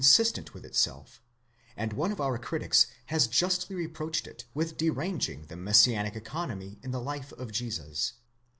sistent with itself, and one of our critics has justly reproached it with derang ing the messianic economy in the life of Jesus.